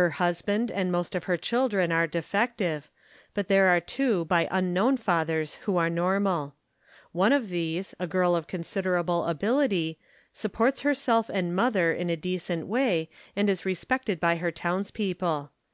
Her husband and 86 THE KALLIKAK FAMILY most of her children are defective, but there are two by unknown fathers who are normal. One of these, a girl of considerable ability, supports herself and mother in a decent way and is respected by her townspeople.